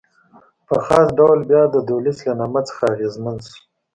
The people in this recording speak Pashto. په خاص ډول بیا د دولچ له نامه څخه اغېزمن شو.